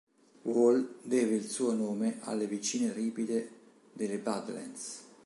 Wall deve il suo nome alle vicine ripide delle Badlands.